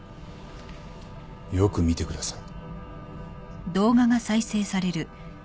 よく見てください。